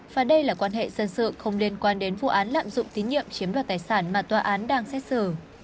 và đây là quan hệ dân sự không liên quan đến vụ án lạm dụng tín nhiệm chiếm đoạt tài sản mà tòa án đang xét xử